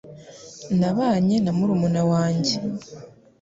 Nabanye na murumuna wanjye